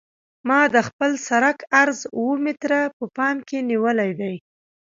ما د خپل سرک عرض اوه متره په پام کې نیولی دی